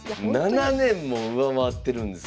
７年も上回ってるんですか。